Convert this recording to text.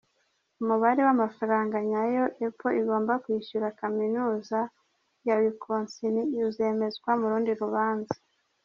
Umubare w’amafaranga nyayo Apple igomba kwishyura Kaminuza ya Wisconsin uzemezwa mu rundi rubanza.